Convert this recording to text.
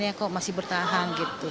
ya kok masih bertahan gitu